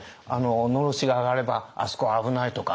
のろしが上がればあそこは危ないとか。